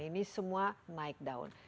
ini semua naik down